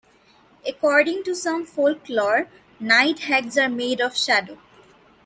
According to some folklore, night hags are made of shadow.